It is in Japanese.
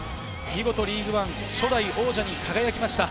見事リーグワン初代王者に輝きました。